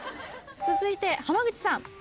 続いて浜口さん。